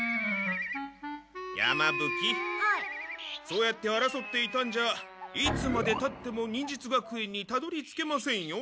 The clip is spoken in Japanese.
そうやってあらそっていたんじゃいつまでたっても忍術学園にたどりつけませんよ。